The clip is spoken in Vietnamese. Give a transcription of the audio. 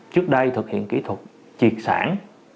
trước đây thực hiện kỹ thuật triệt sản